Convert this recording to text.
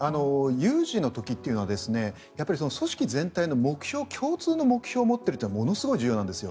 有事の時というのは組織全体の共通の目標を持っているというのがものすごく重要なんですよ。